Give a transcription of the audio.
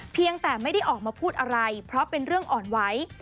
เพียงแต่ไม่ได้ออกมาพูดอะไรเพราะเป็นเรื่องอ่อนไหว